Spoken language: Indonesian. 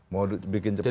mau bikin cepat boleh